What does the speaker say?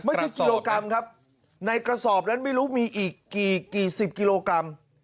กิโลกรัมครับในกระสอบนั้นไม่รู้มีอีกกี่สิบกิโลกรัม